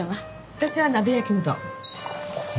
私は鍋焼きうどん。